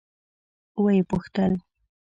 ويې پوښتل.